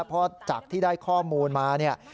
เพราะจากที่ได้ข้อมูลมาเนี่ย